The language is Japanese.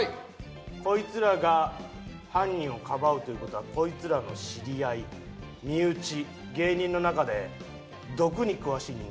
こいつらが犯人をかばうという事はこいつらの知り合い身内芸人の中で毒に詳しい人間はいないか？